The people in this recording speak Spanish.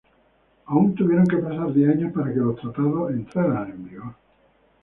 Aún tuvieron que pasar diez años para que los tratados entraran en vigor.